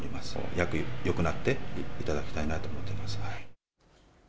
早くよくなっていただきたいなと思っています。